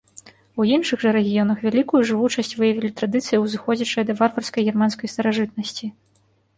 У іншых жа рэгіёнах вялікую жывучасць выявілі традыцыі, узыходзячыя да варварскай германскай старажытнасці.